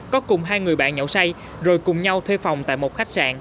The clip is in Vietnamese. có cùng hai người bạn nhậu say rồi cùng nhau thuê phòng tại một khách sạn